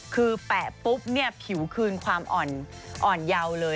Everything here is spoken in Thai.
คือแปะปุ๊บเนี่ยผิวคืนความอ่อนเยาว์เลย